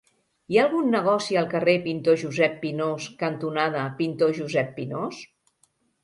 Hi ha algun negoci al carrer Pintor Josep Pinós cantonada Pintor Josep Pinós?